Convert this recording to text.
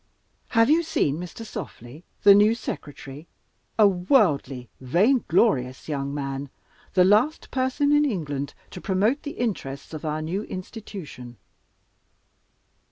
"Have you seen Mr. Softly, the new Secretary? A worldly, vainglorious young man. The last person in England to promote the interests of our new Institution."